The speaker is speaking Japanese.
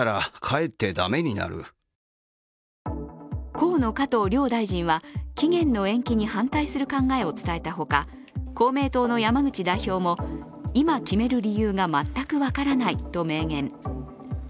河野・加藤両大臣は期限の延期に反対する考えを伝えたほか公明党の山口代表も、今決める理由が全く分からないと明言。